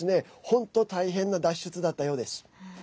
本当、大変な脱出だったようです。